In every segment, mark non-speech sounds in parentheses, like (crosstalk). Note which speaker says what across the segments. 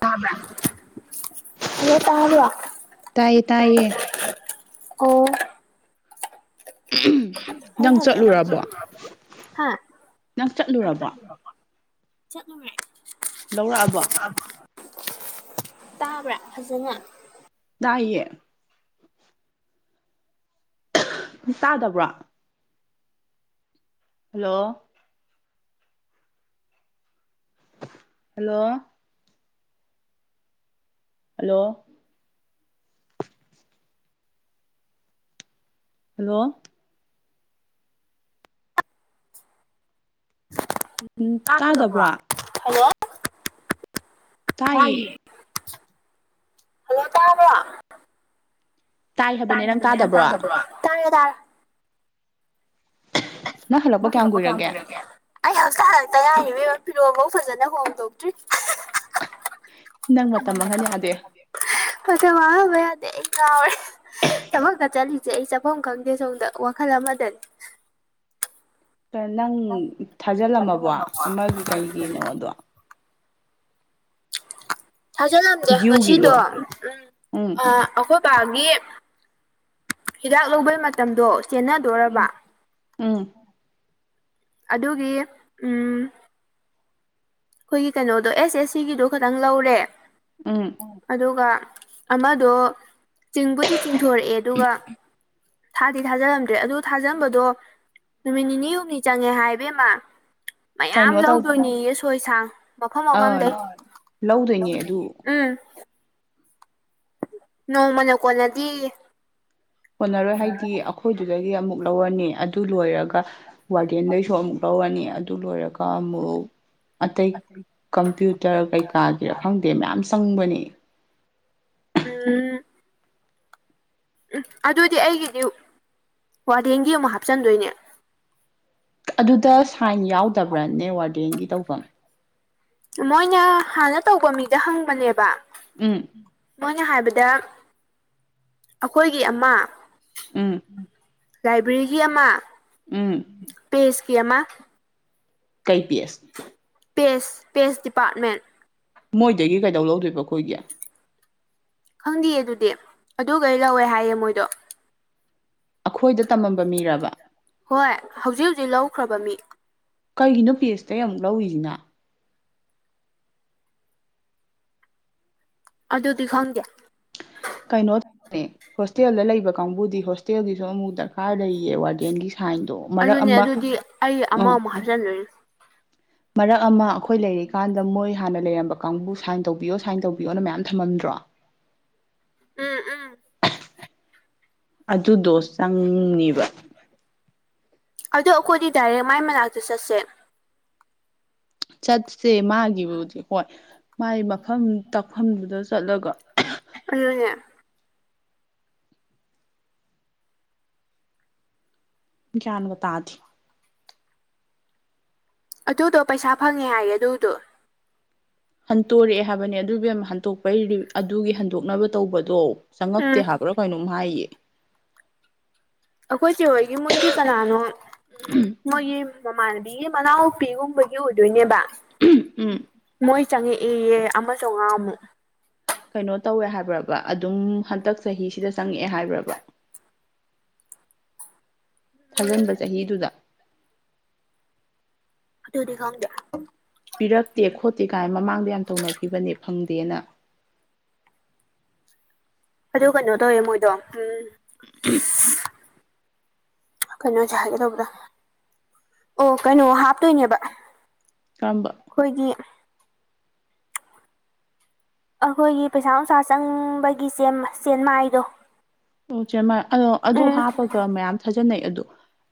Speaker 1: ꯇꯕ꯫ ꯍꯜꯂꯣ ꯇꯥꯕ꯭ꯔꯣ ꯑꯣ
Speaker 2: ꯇꯥꯏꯌꯦ ꯇꯥꯏꯌꯦ
Speaker 1: ꯑꯩ
Speaker 2: ꯅꯪ
Speaker 1: ꯍꯜꯂꯛꯑꯦ
Speaker 2: ꯆꯠꯂꯨꯔꯕꯣ
Speaker 1: ꯍꯥ
Speaker 2: ꯅꯪ ꯆꯠꯂꯨꯔꯕꯣ
Speaker 1: ꯆꯠꯂꯨꯔꯦ
Speaker 2: ꯂꯧꯔꯛꯑꯕꯣ
Speaker 1: ꯇꯥꯕ꯭ꯔꯥ ꯐꯖꯅ
Speaker 2: ꯇꯥꯏꯌꯦ ꯇꯗꯕ꯭ꯔꯣ ꯍꯜꯂꯣ ꯍꯜꯂꯣ ꯍꯜꯂꯣ ꯍꯜꯂꯣ ꯎꯝ
Speaker 1: ꯇꯗꯕꯔꯣ
Speaker 2: ꯇꯥꯗꯕ꯭ꯔꯣ
Speaker 1: ꯍꯂꯣ ꯇꯥꯏꯌꯦ ꯍꯜꯂꯣ ꯇꯥꯔꯕ꯭ꯔ ꯇꯥꯏ ꯍꯕꯅꯦ ꯅꯪ ꯇꯗꯕ꯭ꯔꯣ
Speaker 2: ꯅꯪ ꯍꯜꯂꯛꯄ
Speaker 1: ꯃꯣꯏ
Speaker 2: ꯀꯌꯥꯝ
Speaker 1: ꯊꯤꯜꯂꯛꯄ ꯌꯥꯝ
Speaker 2: ꯀꯨꯏꯔꯒꯦ
Speaker 1: ꯄꯨꯔꯒꯦ ꯑꯩ ꯍꯧꯖꯤꯛꯇ ꯍꯂꯇ ꯉꯥꯏꯔꯤ ꯐꯤꯔꯣꯐꯥꯎ ꯐꯖꯅ ꯍꯣꯡꯗꯣꯛꯇ꯭ꯔꯤ
Speaker 2: ꯅꯪ ꯃꯇꯝ ꯃꯥꯡꯍꯟ ꯌꯥꯗꯦ
Speaker 1: (unintelligible) ꯃꯇꯝ ꯃꯥꯡꯍꯟꯕ ꯌꯥꯗꯦ ꯑꯩ ꯀꯥꯎ ꯑꯦ ꯊꯕꯛ ꯀ ꯠꯂꯤꯁꯦ ꯑꯩ ꯆꯥꯐꯝ ꯈꯪꯗꯦ ꯁꯣꯝꯗ ꯋꯥꯈꯜ ꯑꯃꯗꯅꯦ
Speaker 2: ꯅꯪ ꯊꯥꯖꯤꯜꯂꯝꯃꯕꯣ ꯑꯃꯒꯤ ꯀꯩꯒꯤꯅꯣꯗꯣ
Speaker 1: ꯊꯥꯖꯜꯂꯝꯗꯦ ꯉꯁꯤꯗꯣ
Speaker 2: ꯗ꯭ꯌꯨꯒꯤꯗꯣ
Speaker 1: ꯎꯝ ꯑꯩꯈꯣꯏ ꯅꯨꯄꯥꯒꯤ ꯍꯤꯗꯥꯛ ꯂꯧꯕꯩ ꯃꯇꯝꯗꯣ ꯆꯦꯟꯅꯗꯣꯔꯔꯕ
Speaker 2: ꯎꯝ ꯎꯝ
Speaker 1: ꯑꯗꯨꯒꯤ ꯎꯝ ꯑꯩꯈꯣꯏꯒꯤ ꯀꯩꯅꯣꯗꯣ ꯑꯦꯁ ꯑꯦꯁ ꯁꯤꯒꯤꯗꯣ ꯈꯇꯪ ꯂꯧꯔꯦ
Speaker 2: ꯑꯝ
Speaker 1: ꯑꯗꯨꯒ ꯑꯃꯗꯣ ꯆꯤꯡꯕꯨꯗꯤ ꯆꯤꯡꯊꯣꯔꯛꯑꯦ ꯑꯗꯨꯒ ꯊꯥꯗꯤ ꯊꯥꯖꯤꯜꯂꯝꯗ꯭ꯔꯦ ꯑꯗꯨ ꯊꯥꯖꯝꯕꯗꯣ ꯅꯨꯃꯤꯠ ꯅꯤꯅꯤ ꯍꯨꯝꯅꯤ ꯆꯪꯉꯦ ꯍꯥꯏꯕꯦꯝꯃ ꯃꯌꯥꯝ
Speaker 2: ꯀꯩꯅꯣ ꯇꯧ
Speaker 1: ꯂꯧꯗꯣꯏꯅꯦ ꯌꯦꯁꯣꯏꯁꯥꯡ ꯃꯐꯝ
Speaker 2: ꯑꯥ
Speaker 1: ꯑꯣꯈꯝꯗꯩ
Speaker 2: ꯂꯧꯗꯣꯏꯅꯦ ꯑꯗꯨ
Speaker 1: ꯎꯝ ꯅꯣꯡꯃꯅ ꯀꯣꯟꯅꯗꯦꯌꯦ
Speaker 2: ꯍꯣꯠꯅꯔꯣꯏ ꯍꯥꯏꯗꯤ ꯑꯩꯈꯣꯏꯗꯨꯗꯒꯤ ꯑꯃꯨꯛ ꯂꯧꯔꯅꯤ ꯑꯗꯨ ꯂꯣꯏꯔꯒ ꯋꯥꯔꯗꯦꯟꯗꯩꯁꯨ ꯑꯃꯨꯛ ꯂꯧꯔꯅꯤ ꯑꯗꯨ ꯂꯣꯏꯔꯒ ꯑꯃꯨꯛ ꯑꯇꯩ ꯀꯝꯄ꯭ꯌꯨꯇꯔ ꯀꯩꯀꯥꯒꯤꯔꯥ ꯈꯪꯗꯦ ꯃꯌꯥꯝ ꯆꯪꯕꯅꯤ
Speaker 1: ꯎꯝ ꯎꯝ ꯑꯗꯨꯗꯤ ꯑꯩꯒꯤꯗꯤ ꯋꯥꯔꯦꯡꯒꯤ ꯑꯃꯨꯛ ꯍꯥꯞꯆꯟꯗꯣꯏꯅꯦ
Speaker 2: ꯑꯗꯨꯗ ꯁꯥꯏꯟ ꯌꯥꯎꯗꯕ꯭ꯔꯥ ꯅꯦꯠꯋꯥꯔꯗꯤꯡꯒꯤ ꯇꯧꯐꯝ
Speaker 1: ꯃꯣꯏꯅ ꯍꯥꯟꯅ ꯇꯧꯕ ꯃꯤꯗ ꯍꯪꯕꯅꯦꯕ
Speaker 2: ꯎꯝ
Speaker 1: ꯃꯣꯏꯅ ꯍꯥꯏꯕꯗ ꯑꯩꯈꯣꯏꯒꯤ ꯑꯃ
Speaker 2: ꯎꯝ
Speaker 1: ꯂꯥꯏꯕ꯭ꯔꯦꯔꯤꯒꯤ ꯑꯃ
Speaker 2: ꯎꯝ
Speaker 1: ꯄꯦꯁ ꯀꯤ ꯑꯃ
Speaker 2: ꯀꯩ ꯄꯦꯁ
Speaker 1: ꯄꯦꯁ ꯄꯦꯁ ꯗꯤꯄꯥꯔꯠꯃꯦꯟ
Speaker 2: ꯃꯣꯏꯗꯒꯤ ꯀꯩꯗꯧ ꯂꯧꯗꯣꯏꯕ ꯑꯩꯈꯣꯏꯒꯤ
Speaker 1: ꯈꯪꯗꯦꯌꯦ ꯑꯗꯨꯗꯤ ꯑꯗꯨ ꯒꯩ ꯂꯧꯋꯦ ꯍꯥꯏꯌꯦ ꯃꯣꯏꯗꯣ
Speaker 2: ꯑꯩꯈꯣꯏꯗ ꯇꯝꯃꯝꯕ ꯃꯤꯔꯕ
Speaker 1: ꯍꯣꯏ ꯍꯧꯖꯤꯛ ꯍꯧꯖꯤꯛ ꯂꯧꯈ꯭ꯔꯕ ꯃꯤ
Speaker 2: ꯀꯩꯒꯤꯅꯣ ꯄꯤ ꯑꯦꯁꯇ ꯌꯥꯝꯨꯛ ꯂꯧꯔꯤꯁꯤꯅ
Speaker 1: ꯑꯗꯨꯗꯤ ꯈꯪꯗꯦ
Speaker 2: ꯀꯩꯅꯣ ꯇꯅꯦ ꯍꯣꯁꯇꯦꯜꯗ ꯂꯩꯕ ꯀꯥꯡꯕꯨꯗꯤ ꯍꯣꯁꯇꯦꯜꯒꯤꯁꯨ ꯑꯃꯨ ꯗ ꯀꯥꯔ ꯂꯩꯌꯦ ꯋꯥꯔꯗꯦꯟꯒꯤ ꯁꯥꯏꯟꯗꯣ ꯃꯔꯛ
Speaker 1: ꯑꯗꯨꯅꯦ
Speaker 2: ꯑꯃ
Speaker 1: ꯑꯗꯨꯗꯤ ꯑꯩ
Speaker 2: ꯎꯥ
Speaker 1: ꯑꯃꯃꯨꯛ ꯍꯥꯞꯆꯤꯟꯗꯣꯏꯅꯦ
Speaker 2: ꯃꯔꯛ ꯑꯃ ꯑꯩꯈꯣꯏ ꯂꯩꯔꯤꯀꯥꯟꯗ ꯃꯣꯏ ꯍꯥꯟꯅ ꯂꯩꯔꯝꯕ ꯀꯥꯡꯕꯨ ꯁꯥꯏꯟ ꯇꯧꯕꯤꯌꯣ ꯁꯥꯏꯟ ꯇꯧꯕꯤꯌꯣꯅ ꯃꯌꯥꯝ ꯊꯝꯃꯝꯗ꯭ꯔꯣ
Speaker 1: ꯎꯝ ꯎꯝ
Speaker 2: ꯑꯗꯨꯗꯣ ꯆꯪꯅꯤꯕ
Speaker 1: ꯑꯗꯣ ꯑꯩꯈꯣꯏꯗꯤ ꯗꯥꯏꯔꯦꯛ ꯃꯥꯏ ꯃꯅꯥꯛꯇ ꯆꯠꯁꯦ
Speaker 2: ꯆꯠꯁꯦ ꯃꯥꯒꯤꯕꯨꯗꯤ ꯍꯣꯏ ꯃꯥꯒꯤ ꯃꯐꯝ ꯇꯥꯛꯐꯝꯗꯨꯗ ꯆꯠꯂꯒ꯫
Speaker 1: ꯑꯗꯨꯅꯦ
Speaker 2: ꯒꯤꯌꯥꯟꯒ‌ ꯇꯥꯗꯦ
Speaker 1: ꯑꯗꯨꯗꯣ ꯄꯩꯁꯥ ꯐꯪꯉꯦ ꯍꯥꯏꯌꯦ ꯑꯗꯨꯗꯣ
Speaker 2: ꯍꯟꯇꯣꯔꯛꯑꯦ ꯍꯥꯏꯕꯅꯦ ꯑꯗꯨ ꯕꯦꯝꯃ ꯍꯟꯇꯣꯛꯄꯩ ꯑꯗꯨꯒꯤ ꯍꯟꯗꯣꯛꯅꯕ ꯇꯧꯕꯗꯣ
Speaker 1: ꯎꯝ
Speaker 2: ꯆꯪꯉꯛꯇꯦ ꯍꯥꯏꯕ꯭ꯔꯥ ꯀꯩꯅꯣꯝ ꯍꯥꯏꯌꯦ꯫
Speaker 1: ꯑꯩꯈꯣꯏ ꯆꯦ ꯍꯣꯏꯒꯤ ꯃꯣꯏꯒꯤ ꯀꯅꯥꯅꯣ ꯃꯣꯏꯒꯤ ꯃꯃꯥꯟꯅꯕꯤꯒꯤ ꯃꯅꯥꯎꯄꯤꯒꯨꯝꯕꯒꯤ ꯑꯣꯏꯗꯣꯏꯅꯦꯕ꯫
Speaker 2: ꯎꯝ
Speaker 1: ꯃꯣꯏ ꯆꯪꯉꯛꯏꯌꯦ ꯑꯃ ꯆꯥꯎꯉꯥꯃꯨꯛ
Speaker 2: ꯀꯩꯅꯣ ꯇꯧꯋꯦ ꯍꯥꯏꯕ꯭ꯔꯕ ꯑꯗꯨꯝ ꯍꯟꯇꯛ ꯆꯍꯤꯁꯤꯗ ꯆꯪꯉꯛꯑꯦ ꯍꯥꯏꯕ꯭ꯔꯕ ꯊꯥꯖꯤꯟꯕ ꯆꯍꯤꯗꯨꯗ
Speaker 1: ꯑꯗꯨꯗꯤ ꯈꯪꯗꯦ
Speaker 2: ꯄꯤꯔꯛꯇꯦ ꯈꯣꯠꯇꯦ ꯀꯥꯏ ꯃꯃꯥꯡꯗ ꯌꯥꯝ ꯇꯧꯅꯒꯤꯕꯅꯦ ꯐꯪꯗꯦꯅ
Speaker 1: ꯑꯗꯨ ꯀꯩꯅꯣ ꯇꯧꯋꯦ ꯃꯣꯏꯗꯣ ꯎꯝ꯫
Speaker 2: (unintelligible)
Speaker 1: ꯀꯩꯅꯣ ꯍꯖꯤꯛ ꯍꯥꯏꯒꯦ ꯇꯧꯕꯗꫭ ꯑꯣ ꯀꯩꯅꯣ ꯍꯥꯞꯇꯣꯏꯅꯦꯕ꯫
Speaker 2: ꯀꯝꯕ
Speaker 1: ꯈꯣꯏꯒꯤ ꯑꯩꯈꯣꯏꯒꯤ ꯄꯩꯁꯥ ꯅꯨꯡꯁꯥ ꯆꯪꯕꯒꯤ ꯆꯦꯟ ꯃꯥꯏꯗꯣ
Speaker 2: ꯆꯦꯃꯥꯏ ꯑꯗꯨ ꯍꯥꯞꯄꯒ ꯃꯌꯥꯝ ꯊꯥꯖꯅꯩ ꯑꯗꯨ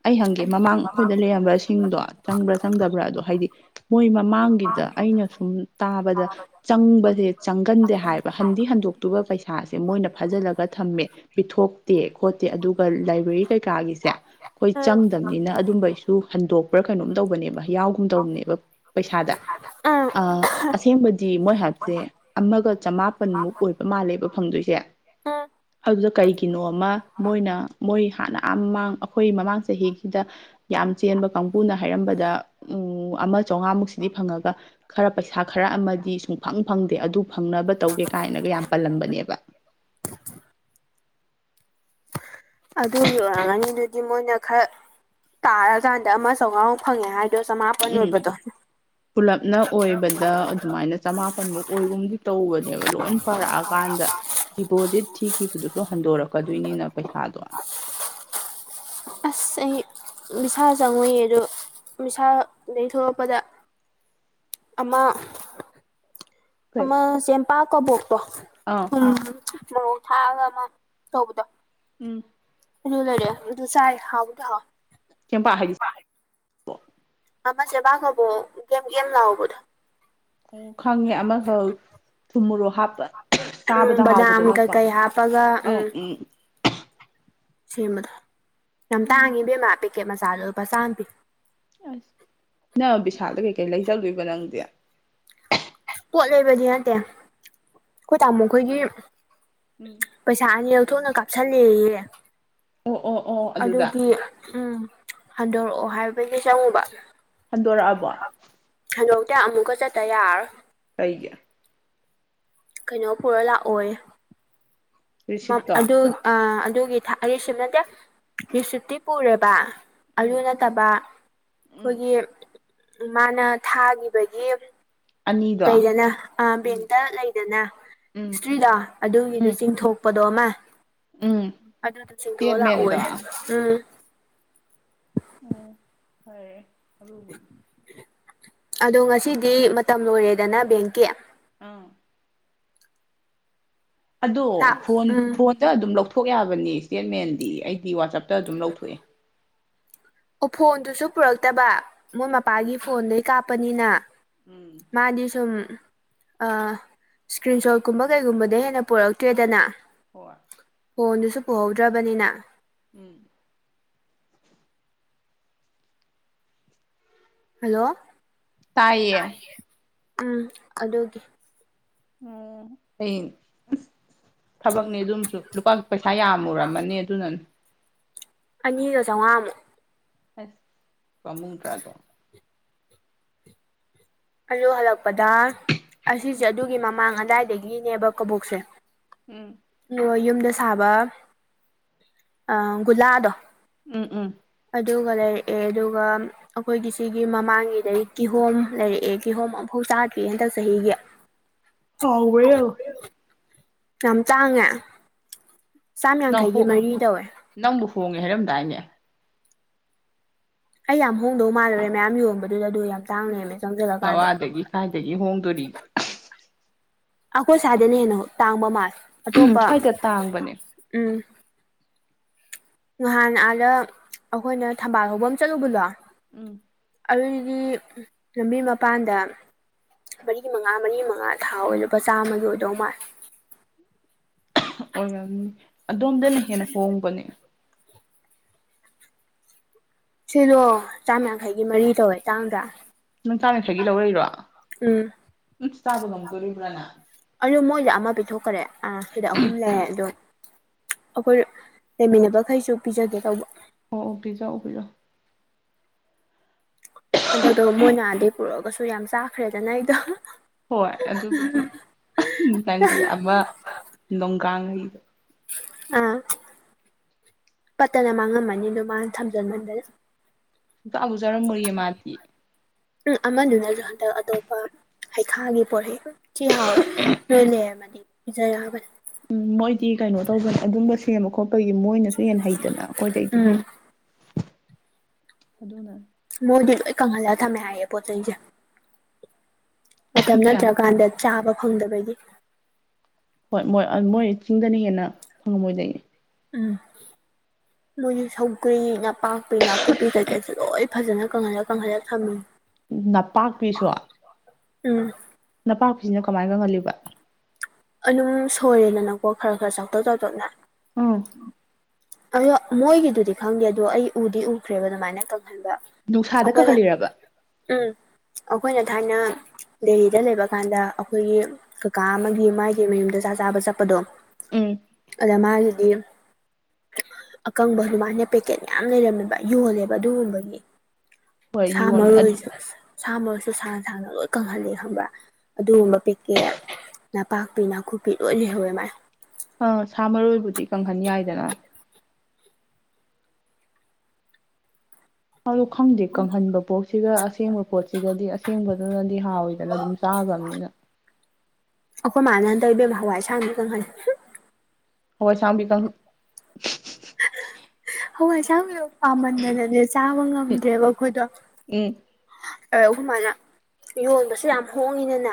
Speaker 2: ꯑꯩ ꯍꯪꯒꯦ ꯃꯃꯥꯡ ꯑꯩꯈꯣꯏꯗ ꯂꯩꯔꯝꯕꯁꯤꯡꯗꯣ ꯆꯪꯕ꯭ꯔꯥ ꯆꯪꯗꯕ꯭ꯔꯥ ꯑꯗꯣ ꯍꯥꯏꯗꯤ ꯃꯣꯏ ꯃꯃꯥꯡꯒꯤꯗ ꯑꯩꯅꯁꯨ ꯁꯨꯝ ꯇꯥꯕꯗ ꯆꯪꯕꯁꯖꯦ ꯆꯪꯒꯟꯗꯦ ꯍꯥꯏꯕ ꯍꯟꯗꯤ ꯍꯟꯗꯣꯛ ꯇꯨꯕ ꯄꯩꯁꯥꯁꯦ ꯃꯣꯏꯅ ꯐꯥꯖꯤꯜꯂꯒ ꯊꯝꯃꯦ ꯄꯤꯊꯣꯛꯇꯦ ꯈꯣꯠꯇꯦ ꯑꯗꯨꯒ ꯂꯥꯏꯕ꯭ꯔꯦꯔꯤ ꯀꯩꯀꯥꯒꯤꯖꯦ꯫ ꯑꯩꯈꯣꯏ
Speaker 1: ꯎꯝ
Speaker 2: ꯆꯪꯗꯕꯅꯤꯅ ꯑꯗꯨꯝꯕꯩꯁꯨ ꯍꯟꯗꯣꯛꯄ꯭ꯔꯥ ꯀꯩꯅꯣꯝ ꯇꯧꯕꯅꯦꯕ ꯌꯥꯎꯒꯨꯝ ꯇꯧꯕꯅꯦꯕ ꯄꯩꯁꯥꯗ꯫
Speaker 1: ꯎꯝ
Speaker 2: ꯑꯥ ꯑꯁꯦꯡꯕꯗꯤ ꯃꯣꯏ ꯍꯥꯏꯕꯁꯦ ꯑꯃꯒ ꯆꯃꯥꯄꯟꯃꯨꯛ ꯑꯣꯏꯕ ꯃꯥꯜꯂꯦꯕ ꯐꯪꯗꯣꯏꯁꯦ
Speaker 1: ꯎꯝ
Speaker 2: ꯑꯗꯨꯗ ꯀꯩꯒꯤꯅꯣ ꯑꯃ ꯃꯣꯏꯅ ꯃꯣꯏ ꯍꯥꯟꯅꯥ ꯑꯥ ꯃꯃꯥꯡ ꯑꯩꯈꯣꯏ ꯃꯃꯥꯡ ꯆꯍꯤꯒꯤꯗ꯫ ꯌꯥꯝ ꯆꯦꯟꯕ ꯀꯥꯡꯕꯨꯅ ꯍꯥꯏꯔꯝꯕꯗ ꯎꯝ ꯑꯃ ꯆꯥꯝꯃꯉꯥꯃꯨꯛꯁꯤꯗꯤ ꯐꯪꯉꯒ꯫ ꯈꯔ ꯄꯩꯁꯥ ꯈꯔ ꯑꯃꯗꯤ ꯁꯨꯡꯐꯪ ꯐꯪꯗꯦ ꯑꯗꯨ ꯐꯪꯅꯕ ꯇꯧꯒꯦ ꯀꯥꯏꯅꯒ ꯌꯥꯝ ꯄꯜꯂꯝꯕꯅꯦꯕ
Speaker 1: ꯑꯗꯨꯒꯤ ꯑꯣꯏꯔꯒꯅꯤꯗꯨꯗꯤ ꯃꯣꯏꯅ ꯈꯔ ꯇꯥꯔꯀꯥꯟꯗ ꯑꯃ ꯆꯥꯎꯉꯥꯃꯨꯛ ꯐꯪꯉꯦ ꯍꯥꯏ
Speaker 2: ꯎꯝ ꯄꯨꯂꯞꯅ ꯑꯣꯏꯕꯗ ꯑꯗꯨꯃꯥꯏꯅ ꯆꯃꯥꯄꯟꯃꯨꯛ ꯑꯣꯏꯒꯨꯝꯕꯗꯤ ꯇꯧꯕꯅꯦꯕ ꯂꯣꯏ ꯄꯔꯛꯑꯀꯥꯟꯗ꯫ ꯗꯤꯕꫭꯖꯤꯠ ꯊꯤꯈꯤꯕꯗꯨꯁꯨ ꯍꯟꯗꯣꯔꯛꯀꯗꯣꯏꯅꯤꯅ ꯄꯩꯁꯥꯗꯣ꯫
Speaker 1: ꯑꯁ ꯑꯩ ꯚꯤꯁꯥꯜ ꯆꯪꯉꯨꯏꯌꯦ ꯑꯗꯣ ꯚꯤꯁꯥꯜꯗꯩ ꯊꯣꯛꯂꯛꯄꯗ ꯑꯃ
Speaker 2: ꯀꯩ
Speaker 1: ꯑꯃ ꯆꯦꯡꯄꯥꯛ ꯀꯕꯣꯛꯇꯣ
Speaker 2: ꯑꯥ
Speaker 1: ꯊꯨꯝ ꯃꫭꫪꫭꯛ ꯊꯥꯥꯑꯒ ꯑꯃ ꯇꯧꯕꯗꯣ
Speaker 2: ꯎꯝ
Speaker 1: ꯑꯗꯨ ꯂꯩꯔꯦ ꯑꯗꯨ ꯆꯥꯏ ꯍꯥꯎꯕꯨꯗꯨ ꯍꯥꯎ꯫
Speaker 2: ꯆꯦꯝꯄꯥꯛ ꯍꯥꯏꯗꯤ
Speaker 1: ꯑꯃ ꯆꯦꯕꯥꯥꯛ ꯀꯕꫭꯛ ꯒꫪꯦꯝ ꯒꫪꯦꯝ ꯂꯥꯎꯕꯗꫭ꯫
Speaker 2: ꯎ ꯈꯪꯉꯦ ꯑꯃꯈꯛ ꯊꯨꯝꯃꯨꯔꯣꯛ ꯍꯥꯞꯄ꯫
Speaker 1: ꯎꯝ
Speaker 2: ꯆꯥꯕꯗ ꯍꯥꯎꯕꯗꯣ
Speaker 1: ꯕꯗꯥꯝ
Speaker 2: ꯅꯠꯇ꯭ꯔꯣ
Speaker 1: ꯀꯩꯀꯩ ꯍꯥꯞꯄꯒ
Speaker 2: ꯑ ꯎꯝ
Speaker 1: ꯁꯦꯝꯕꯗꯣ ꯌꯥꯝ
Speaker 2: ꯎꯝ
Speaker 1: ꯇꯥꯡꯉꯤꯕꯦꯝꯃ ꯄꯦꯛꯀꯦꯠ ꯃꯆꯥꯗꯣ ꯂꯨꯄꯥ ꯆꯥꯝꯃ ꯄꯤ꯫
Speaker 2: ꯑꯁ ꯅꯪ ꯕꯤꯁꯥꯜꯗ ꯀꯩꯀꯩ ꯂꯩꯖꯂꯣꯏꯏꯕ ꯅꯪꯗꯤ꯫
Speaker 1: ꯄꯣꯠ ꯂꯩꯕꯗꯤ ꯅꯠꯇꯦ ꯑꯩꯈꯣꯏ ꯇꯥꯃꯣꯈꯣꯏꯒꯤ꯫
Speaker 2: ꯎꯝ
Speaker 1: ꯄꯩꯁꯥ ꯑꯅꯤ ꯂꯧꯊꯣꯛꯅ ꯀꯥꯞꯁꯤꯜꯂꯌꯦ
Speaker 2: ꯑꯣ ꯑꯣ ꯑꯣ ꯑꯗꯨꯗ
Speaker 1: ꯑꯗꯨꯒꯤ ꯎꯝ꯫ ꯍꯟꯗꯣꯔꯛꯑꯣ ꯍꯥꯏꯕꯩꯒꯤ ꯆꯪꯉꯨꯕ
Speaker 2: ꯍꯟꯗꯣꯔꯛꯑꯕꯣ
Speaker 1: ꯍꯂꯣꯛꯇ ꯑꯃꯨꯛꯀ ꯆꯠꯇ ꯌꯥꯔꯣ꯫
Speaker 2: ꯀꯩꯒꯤ꯫
Speaker 1: ꯀꯩꯅꯣ ꯄꯨꯔ ꯂꯥꯛꯑꯣꯏ
Speaker 2: ꯔꯤꯁꯤꯞꯇꯣ
Speaker 1: ꯑꯗꯨꯒꯤ ꯔꯤꯁꯤꯞ ꯅꯠꯇꯦ ꯔꯤꯁꯤꯞꯇꯤ ꯄꯨꯔꯦꯕ ꯑꯗꯨ
Speaker 2: ꯎꯝ
Speaker 1: ꯅꯠꯇꯕ
Speaker 2: ꯎꯝ
Speaker 1: ꯑꯩꯈꯣꯏꯒꯤ ꯃꯥꯅ ꯊꯥꯈꯤꯕꯒꯤ
Speaker 2: ꯑꯅꯤꯗꯣ
Speaker 1: ꯂꯩꯗꯅ
Speaker 2: ꯎꯝ
Speaker 1: ꯕꯦꯡꯇ ꯂꯩꯗꯅ
Speaker 2: ꯎꯝ
Speaker 1: ꯍꯤꯁꯇ꯭ꯔꯤꯗꯣ ꯑꯗꯨꯒꯤꯗꯣ
Speaker 2: ꯎꯝ
Speaker 1: ꯆꯤꯡꯊꯣꯛ ꯂꯄꯗꯣ ꯑꯃ
Speaker 2: ꯎꯝ
Speaker 1: ꯑꯗꯨꯗ ꯆꯤꯡꯊꯣꯛꯑ
Speaker 2: ꯏꯁꯇꯦꯠꯃꯦꯟꯗꯣ
Speaker 1: ꯂꯥꯛꯑꯣꯅꯦ ꯎꯝ
Speaker 2: ꯎꯝ ꯐꯔꯦ ꯑꯗꯨꯒ꯫
Speaker 1: ꯑꯗꯣ ꯉꯁꯤꯗꯤ ꯃꯇꯝ ꯂꯣꯏꯔꯦꯗꯅ ꯕꯦꯡꯀꯤ
Speaker 2: ꯑꯥ꯫ ꯑꯗꯣ
Speaker 1: ꯇꯥ
Speaker 2: ꯐꯣꯟ
Speaker 1: ꯎꯝ
Speaker 2: ꯐꯣꯟꯗ ꯑꯗꯨꯝ ꯂꯧꯊꯣꯛ ꯌꯥꯕꯅꯤ ꯏꯁꯇꯦꯠꯃꯦꯟꯗꯤ ꯑꯩꯗꯤ ꯋꯥꯆꯞꯇ ꯑꯗꯨꯝ ꯂꯧꯊꯣꯛꯑꯦ꯫
Speaker 1: ꯑꯣ ꯐꯣꯟꯗꯨꯁꯨ ꯄꯨꯔꯛꯇꯕ ꯃꯣꯏ
Speaker 2: ꯎꯝ
Speaker 1: ꯃꯄꯥꯒꯤ ꯐꯣꯟꯗꯩ ꯀꯥꯞꯄꯅꯤꯅ
Speaker 2: ꯎꯝ
Speaker 1: ꯃꯥꯗ ꯁꯨꯝ ꯏꯁꯀ꯭ꯔꯤꯟ ꯁꯣꯠꯀꯨꯝꯕ ꯀꯩꯒꯨꯝꯕꯗ ꯍꯦꯟꯅ ꯄꯨꯔꯛꯇꯦꯗꯅ
Speaker 2: ꯍꯣꯏ
Speaker 1: ꯐꯣꯟꯗꯨꯁꯨ ꯄꯨꯍꯧꯗ꯭ꯔꯕꯅꯤꯅ
Speaker 2: ꯎꯝ꯫
Speaker 1: ꯍꯜꯂꯣ
Speaker 2: ꯇꯌꯦ꯫
Speaker 1: ꯎꯝ ꯑꯗꯨꯒꯤꯦ
Speaker 2: ꯎꯝ ꯊꯕꯛꯅꯦ ꯑꯗꯨꯝꯁꯨ ꯂꯨꯄꯥ ꯄꯩꯁꯥ ꯌꯥꯝꯃꯨꯔꯝꯃꯅꯤ ꯑꯗꯨꯅꯅꯤ꯫
Speaker 1: ꯑꯅꯤꯒ ꯆꯥꯝꯃꯉꯥꯃꯨꯛ꯫
Speaker 2: ꯑꯁ ꯀꯃꯨꯡ ꯇ꯭ꯔꯥꯗꯣ
Speaker 1: ꯑ ꯍꯜꯂꯛꯄꯗ ꯑꯁꯤꯁꯦ
Speaker 2: ꯎꯝ
Speaker 1: ꯑꯗꯨꯒꯤ ꯃꯃꯥꯡ ꯑꯗꯥꯏꯗꯒꯤꯅꯦꯕ ꯀꯕꯣꯛꯁꯦ꯫
Speaker 2: ꯎꯝ
Speaker 1: ꯌꯨꯝꯗ ꯁꯥꯕ ꯒꯨꯂꯥꯗꯣ꯫
Speaker 2: ꯎꯝ ꯎꯝ
Speaker 1: ꯑꯗꯨꯒ ꯂꯩꯔꯛꯑꯦ ꯑꯗꯨꯒ ꯑꯩꯈꯣꯏꯒꯤ ꯁꯤꯒꯤ ꯃꯃꯥꯡꯉꯗꯒꯤ ꯀꯤꯍꯣꯝ ꯂꯩꯔꯛꯑꯦ ꯑꯦ ꯀꯤꯍꯣꯝ ꯑꯃꯝꯐꯥꯎ ꯆꯥꯗ꯭ꯔꯤꯦ ꯍꯟꯗꯛ ꯆꯍꯤꯒꯤ꯫
Speaker 2: ꯍꯥꯎꯕ ꯌꯥ
Speaker 1: ꯌꯥꯝ ꯇꯥꯡꯉꯦ ꯆꯥꯝꯃ
Speaker 2: ꯅꯪ ꯍꯣ
Speaker 1: ꯌꯥꯡꯈꯩꯒꯤ ꯃꯔꯤ ꯇꯧꯋꯦ꯫
Speaker 2: ꯅꯪꯕꯨ ꯍꯣꯡꯉꯦ ꯍꯥꯏꯔꯝꯗꯥꯏꯅꯦ꯫
Speaker 1: ꯑꯩ ꯌꯥꯝ ꯍꯣꯡꯗꯧ ꯃꯥꯥꯟꯅꯨꯔꯦ ꯃꯌꯥꯝ ꯌꯣꯟꯕꯗꯨꯗ ꯑꯗꯨ ꯌꯥꯝ ꯇꯥꯡꯅꯦꯝꯃꯦ ꯆꯪꯖꯂꯀꯥꯟꯗ꯫
Speaker 2: ꯀꯏꯗꯒꯤ ꯍꯣꯡꯗꯣꯔꯤꯒꯦ
Speaker 1: ꯑꯩꯈꯣꯏ ꯁ꯭ꯋꯥꯗꯅ ꯍꯦꯟꯅ ꯇꯥꯡꯕ ꯃꯥꯜꯦ ꯑꯇꯣꯞꯄ
Speaker 2: ꯁ꯭ꯋꯥꯏꯗ ꯇꯥꯡꯕꯅꯦ
Speaker 1: ꯎꯝ ꯅꯍꯥꯟ ꯑꯥꯗ ꯑꯩꯈꯣꯏꯅ ꯊꯝꯕꯥꯜ ꯍꯧꯕ ꯑꯃ ꯆꯠꯂꯨꯕꯗꯣ꯫
Speaker 2: ꯎꯝ
Speaker 1: ꯑꯗꯨꯗꯤ ꯂꯝꯕꯤ ꯃꯄꯥꯟꯗ ꯃꯔꯤ ꯃꯉꯥ ꯃꯔꯤ ꯃꯉꯥ ꯊꯥ ꯑꯣꯏꯔꯨꯕꯄꯥ ꯆꯥꯃꯒꯤ ꯑꯣꯏꯗꯧ ꯃꯥꯜꯂꯦ
Speaker 2: ꯑꯣꯏꯔꯝꯅꯤ ꯑꯗꯣꯝꯗꯅ ꯍꯦꯟꯅ ꯍꯣꯡꯕꯅꯦ
Speaker 1: ꯁꯤꯂ‌ꯣ ꯆꯥꯝꯌꯥꯡꯈꯩꯒꯤ ꯃꯔꯤ ꯇꯧꯋꯦ ꯇꯥꯡꯗꯔ
Speaker 2: ꯅꯪ ꯆꯥꯝꯌꯥꯡꯈꯩꯒꯤ ꯂꯧꯔꯛꯏꯔꯣ
Speaker 1: ꯎꯝ
Speaker 2: ꯎꯁ ꯆꯥꯕ ꯉꯝꯗꯣꯔꯤꯕ꯭ꯔꯥ ꯅꯪ
Speaker 1: ꯑꯗꯨ ꯃꯣꯏꯗ ꯑꯃ ꯄꯤꯊꯣꯛꯈꯔꯦ ꯑ ꯁꯤꯗ ꯑꯍꯨꯝ ꯂꯩ ꯑꯗꯣ ꯑꯩꯈꯣꯏ ꯂꯩꯃꯤꯟꯅꯕꯈꯩꯁꯨ ꯄꯤꯖꯒꯦ ꯇꯧꯕ
Speaker 2: ꯑꯣ ꯑꯣ ꯄꯤꯖꯧ ꯄꯤꯖꯧ
Speaker 1: ꯍꯟꯗꯛꯇ‌ꯣ ꯃꯣꯏꯅ ꯑꯗꯩ ꯄꯨꯔꯛꯒꯁꯨ ꯌꯥꯝ ꯆꯥꯈ꯭ꯔꯦꯗꯅ ꯑꯩꯗ‌ꯣ
Speaker 2: ꯍꯣꯏ ꯑꯗꯨꯕꯨꯗꯤ ꯅꯪꯒꯤ ꯑꯃ ꯅꯣꯡꯒꯥꯡꯍꯩꯗꯣ
Speaker 1: ꯑꯥ ꯄꯠꯇꯅ ꯃꯥꯡꯉꯝꯃꯅꯤ ꯑꯗꯨ ꯃꯥꯅ ꯊꯝꯖꯟꯃꯟꯗꯅ
Speaker 2: ꯁꯨꯡꯆꯥꯁꯨ ꯆꯥꯔꯝꯃ‌ꯣꯏꯌꯦ ꯃꯥꯗꯤ
Speaker 1: ꯎꯝ ꯑꯃꯗꯨ ꯅꯁꯨ ꯍꯟꯗꯛ ꯑꯇꯣꯞꯄ ꯍꯩꯈꯥꯒꯤ ꯄꯣꯔ‌ꯦ ꯊꯤ ꯍꯥꯎꯋꯦ ꯅ‌ꯣꯏ ꯂꯩꯔꯃꯗꯤ ꯄꯤꯖ ꯌꯥꯕꯅꯤ
Speaker 2: ꯎꯝ ꯃꯣꯏꯗꯤ ꯀꯩꯅꯣ ꯇꯧꯕꯅ‌ꯦ ꯑꯗꯨꯝꯕ ꯁꯦꯝꯕ ꯈꯣꯠꯄꯒꯤ ꯃꯣꯏꯅꯁꯨ ꯍꯦꯟꯅ ꯍꯩꯗꯅ ꯑꯩꯈꯣꯏꯗꯩꯗꯤ ꯑꯗꯨꯅ
Speaker 1: ꯃꯣꯏꯗꯤ ꯂꯣꯏ ꯀꯪꯍꯜꯂ ꯊꯝꯃꯦ ꯍꯥꯏꯌꯦ ꯄꯣꯠꯆꯩꯁꯦ ꯃꯇꯝ
Speaker 2: ꯀꯌꯥꯝ
Speaker 1: ꯅꯠꯇ꯭ꯔꯀꯥꯟꯗ ꯆꯥꯕ ꯐꯪꯗꯕꯒꯤ
Speaker 2: ꯍꯣꯏ ꯃꯣꯏ ꯃꯣꯏ ꯆꯤꯡꯗꯅ ꯍꯦꯟꯅ ꯐꯪꯉꯝꯃꯣꯏꯗꯩꯅ‌ꯦ
Speaker 1: ꯎꯝ
Speaker 2: (unintelligible)
Speaker 1: ꯃꯣꯏꯗꯤ ꯁꯧꯒ꯭ꯔꯤ ꯅꯥꯄꯥꯛꯄꯤ ꯅꯥꯀꯨꯞꯄꯤ ꯀꯩꯀꯩꯁꯨ ꯂꯣꯏ ꯐꯖꯅ ꯀꯪꯍꯜꯂ ꯀꯪꯍꯜꯂ ꯊꯝꯃꯤ
Speaker 2: ꯅꯄꯥꯛꯄꯤꯁꯨ
Speaker 1: ꯎꯝ
Speaker 2: ꯅꯄꯥꯛꯄꯤꯁꯤꯅ ꯀꯃꯥꯏꯟ ꯀꯪꯍꯜꯂꯤꯕ
Speaker 1: ꯑꯗꯨꯝ ꯁꯣꯏꯔꯦꯗꯅꯀꯣ ꯈꯔ ꯈꯔ ꯆꯥꯎꯇꯛ ꯆꯥꯎꯇꯛꯅ
Speaker 2: ꯎꯝ
Speaker 1: ꯑꯗꯣ ꯃꯣꯏꯒꯤꯗꯨꯗꯤ ꯈꯪꯗꯦ ꯑꯗꯣ ꯑꯩ ꯎꯗꯤ ꯎꯈ꯭ꯔꯦꯕ ꯑꯗꯨꯃꯥꯏꯅ ꯀꯪꯍꯟꯕ
Speaker 2: ꯅꯨꯡꯁꯥꯗ
Speaker 1: ꯑꯩꯈꯣꯏꯅ
Speaker 2: ꯀꯪꯍꯜꯂꯤꯔꯕ
Speaker 1: ꯎꯝ ꯑꯩꯈꯣꯏꯅ ꯊꯥꯏꯅ ꯗꯦꯂꯤꯗ ꯂꯩꯕ ꯀꯥꯟꯗ ꯑꯩꯈꯣꯏꯒꯤ ꯀꯀꯥ ꯑꯃꯒꯤ ꯃꯥꯒꯤ ꯃꯌꯨꯝꯗ ꯆꯥꯛ ꯆꯥꯕ ꯆꯠꯄꯗꯣ
Speaker 2: ꯎꯝ
Speaker 1: ꯑꯗ ꯃꯥꯒꯤꯗꯤ ꯑꯀꯪꯕ ꯑꯗꯨꯃꯥꯏꯅ ꯄꯦꯛꯀꯦꯠ ꯃꯌꯥꯝ ꯂꯩꯔꯝꯃꯦꯕ ꯌꯣꯜꯂꯦꯕ ꯑꯗꯨꯒꯨꯝꯕꯒꯤ
Speaker 2: ꯍꯣꯏ
Speaker 1: ꯁꯥ
Speaker 2: ꯌꯣꯟꯕ
Speaker 1: ꯃꯔꯣꯏꯁꯨ ꯁꯥ ꯃꯔꯣꯏꯁꯨ ꯁꯥꯡ ꯁꯥꯡꯅ ꯂꯣꯏ ꯀꯪꯍꯜꯂꯤ ꯈꯪꯕ꯭ꯔꯥ ꯑꯗꯨꯒꯨꯝꯕ ꯄ‌ꯦꯛꯀꯦꯠ ꯅꯄꯥꯛꯄꯤ ꯅꯥꯀꯨꯞꯄꯤ ꯂꯣꯏ ꯂꯩꯍꯧꯋꯦ ꯃꯥꯥꯏ
Speaker 2: ꯑꯥ ꯁꯥ ꯃꯔꯣꯏꯕꯨꯗꯤ ꯀꯪꯍꯟ ꯌꯥꯏꯗꯅ ꯗ‌ꯣ ꯈꯪꯗꯦ ꯀꯪꯍꯟꯕ ꯄꯣꯠ ꯁꯤꯒ ꯑꯁꯦꯡꯕ ꯄꯣꯠꯁꯤꯒꯗꯤ ꯑꯁꯦꯡꯕꯗꯨꯅꯗꯤ ꯍꯥꯎꯋꯤꯗꯅ ꯑꯗꯨꯝ ꯆꯥꯈ꯭ꯔꯕꯅꯤꯅ
Speaker 1: ꯑꯩꯈꯣꯏ ꯃꯥꯥꯅ ꯍꯟꯗꯛ ꯏꯕꯦꯝ ꯍꯋꯥꯏ ꯑꯁꯥꯡꯕꯤ ꯀꯪꯍꯜꯂꯤ
Speaker 2: ꯍꯋꯥꯏꯁꯥꯡꯕꯤ ꯀꯪ
Speaker 1: ꯍꯋꯥꯏꯁꯥꯡꯕꯤꯗ ꯄꯥꯝꯃꯟꯗꯅꯅꯦ ꯆꯥꯕ ꯉꯝꯗ꯭ꯔꯦꯕ ꯑꯩꯈꯣꯏꯗꯣ
Speaker 2: ꯎꯝ
Speaker 1: ꯑꯗ ꯈ‌ꯣꯏꯃꯥꯅ ꯌꯣꯟꯕꯁꯨ ꯌꯥꯝ ꯍꯣꯡꯉꯤꯗꯅ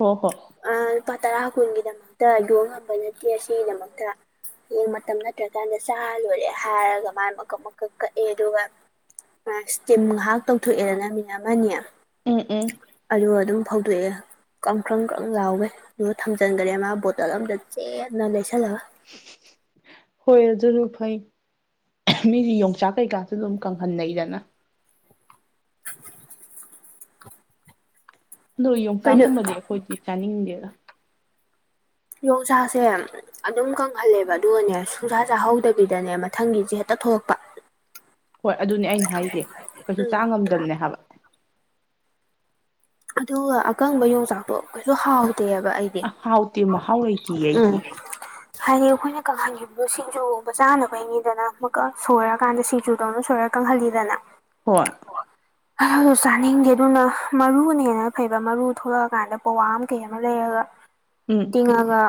Speaker 2: ꯍꯣ ꯍꯣ
Speaker 1: ꯑ ꯂꯨꯄꯥ ꯇꯔꯥ ꯀꯨꯟꯒꯤꯗꯃꯛꯇ ꯌ‌ꯣꯟ ꯉꯝꯕ ꯅꯠꯇꯦ ꯑꯁꯤꯒꯤꯗꯃꯛꯇ ꯍꯌꯦꯡ ꯃꯇꯝ ꯅꯠꯇ꯭ꯔꯀꯥꯟꯗ ꯆꯥ ꯂꯣꯏꯔꯦ ꯍꯥꯏꯔꯒ ꯃꯥꯅ ꯃꯀꯛ ꯃꯀꯛ ꯀꯛꯑꯦ ꯑꯗꯨꯒ (unintelligible) ꯏꯁꯇꯤꯝ ꯉꯥꯍꯥꯛ ꯇꯧꯊꯣꯛꯑꯦꯗꯅ ꯃꯤꯅꯤꯠ ꯑꯃꯅꯤ
Speaker 2: ꯎꯝ ꯎꯝ
Speaker 1: ꯑꯗꯨꯒ ꯑꯗꯨꯝ ꯐꯧꯗꯣꯛꯑꯦ ꯀꯪꯈꯔꯪꯀ (unintelligible) ꯂꯥꯎꯒꯩ ꯑꯗꯨꯒ ꯊꯝꯖꯤꯟꯈꯔꯦ ꯃꯥ ꯕꯣꯇꯜ ꯑꯝꯗ ꯆꯦꯠꯅ ꯂꯩꯁꯜꯂꯒ
Speaker 2: ꯍꯣꯏ ꯑꯗꯨꯁꯨ ꯐꯩ ꯃꯤꯗꯤ ꯌꯣꯡꯆꯥꯛ ꯀꯩꯀꯥꯁꯨ ꯑꯗꯨꯝ ꯀꯪꯍꯟꯅꯩꯗꯅ ꯑꯗꯨꯒ
Speaker 1: ꯀꯩꯅꯣ
Speaker 2: ꯌꯣꯡꯆꯥꯛꯀꯨꯝꯕꯗꯤ ꯑꯩꯈꯣꯏꯗꯤ ꯆꯥꯅꯤꯡꯗꯦꯗ
Speaker 1: ꯌꯣꯡꯁꯥꯁꯦ ꯑꯗꯨꯝ ꯀꯪꯍꯜꯂꯦꯕ ꯑꯗꯨꯒꯅꯦ ꯁꯨꯡꯁꯥ ꯆꯥꯍꯧꯗꯕꯤꯗꯅꯦ ꯃꯊꯪꯒꯤꯁꯦ ꯍꯦꯛꯇ ꯊꯣꯛꯂꯛꯄ
Speaker 2: ꯍꯣꯏ ꯑꯗꯨꯅꯦ ꯑꯩꯅ ꯍꯥꯏꯁꯦ ꯀꯩꯁꯨ
Speaker 1: ꯎꯝ
Speaker 2: ꯆꯥ ꯉꯝꯗꯕꯅꯦ ꯍꯥꯏꯕ
Speaker 1: ꯑꯗꯨꯒ ꯑꯀꯪꯕ ꯌꯣꯡꯆꯥꯛꯇꯣ ꯀꯩꯁꯨ ꯍꯥꯎꯇꯦꯕ ꯑꯩ
Speaker 2: ꯑ ꯍꯥꯎꯇꯦ ꯃꯍꯥꯎ ꯂꯩꯇꯦꯌꯦ
Speaker 1: ꯎꯝ
Speaker 2: ꯑꯩꯗꯤ
Speaker 1: ꯍꯥꯏꯗꯤ ꯑꯩꯈꯣꯏꯅ ꯀꯪꯍꯟꯈꯤꯕꯗꯣ ꯁꯤꯡꯖꯨꯒꯨꯝꯕ ꯆꯥꯅꯕꯩꯅꯤꯗꯅ ꯑꯃꯨꯛꯀ ꯁꯣꯏꯔꯀꯥꯟꯗ ꯁꯤꯡꯖꯨꯗꯣ ꯑꯃꯅ ꯁꯣꯏ ꯀꯪꯍꯜꯂꯤꯗꯅ
Speaker 2: ꯍꯣꯏ
Speaker 1: ꯍꯜ ꯆꯥꯅꯤꯡꯗꯦ ꯑꯗꯨꯅ ꯃꯔꯨꯅꯤ ꯍꯦꯟꯅ ꯐꯩꯕ ꯃꯔꯨ ꯊꯣꯛꯂꯛꯑꯀꯥꯟꯗ ꯄꯋꯥ ꯑꯃ ꯀꯩ ꯑꯃ ꯂꯩꯔꯒ
Speaker 2: ꯎꯝ
Speaker 1: ꯇꯤꯡꯉꯒ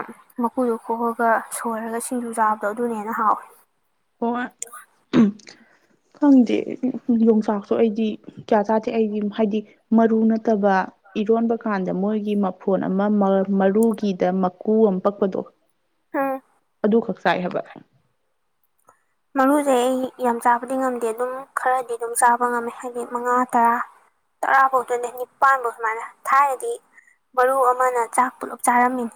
Speaker 1: ꯃꯀꯨꯗꯣ ꯀꯣꯛꯑꯒ ꯁꯣꯏꯔꯒ ꯁꯤꯡꯖꯨ ꯆꯥꯕꯗꯣ ꯑꯗꯨꯅꯦꯅ ꯍꯥꯎꯋꯤ
Speaker 2: ꯍꯣꯏ ꯈꯪꯗꯦ ꯌꯣꯡꯆꯥꯛꯁꯨ ꯑꯩꯗꯤ ꯀꯌꯥ ꯆꯥꯗꯦ ꯑꯩꯗꯤ ꯍꯥꯏꯗꯤ ꯃꯔꯨ ꯅꯠꯇꯕ ꯏꯔꯣꯟꯕ ꯀꯥꯟꯗ ꯃꯣꯏꯒꯤ ꯃꯐꯣꯟ ꯑꯃ ꯃꯔꯨꯒꯤꯗ ꯃꯀꯨ ꯑꯃ ꯄꯛꯄꯗꯣ
Speaker 1: ꯍꯥꯥ
Speaker 2: ꯑꯗꯨ ꯈꯛ ꯆꯥꯏ ꯍꯥꯏꯕ
Speaker 1: ꯃꯔꯨꯖꯦ ꯑꯩ ꯌꯥꯝ ꯆꯥꯕꯗꯤ ꯉꯝꯗꯦ ꯑꯗꯨꯝ ꯈꯔꯗꯤ ꯑꯗꯨꯝ ꯆꯥꯕ ꯉꯝꯃꯦ ꯍꯥꯏꯗꯤ ꯃꯉꯥ ꯇꯔꯥ ꯇꯔꯥꯐꯧꯗꯅꯦ ꯅꯤꯄꯥꯟꯐꯧ ꯁꯨꯃꯥꯏꯅ ꯊꯥꯏꯅꯗꯤ ꯃꯔꯕꯥꯨ ꯑꯃꯅ ꯆꯥꯛ ꯄꯨꯂꯞ ꯆꯥꯔꯝꯃꯤꯅꯤ